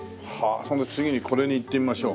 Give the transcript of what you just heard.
次にこれにいってみましょう。